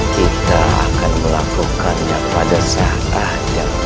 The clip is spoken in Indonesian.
kita akan melakukannya pada saat yang tepat